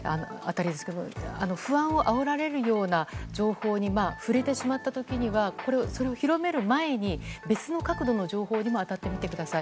不安をあおられるような情報に触れてしまった時にはそれを広める前に別の角度の情報にも当たってみてください。